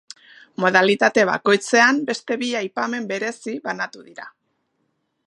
Modalitate bakoitzean beste bi aipamen berezi banatu dira.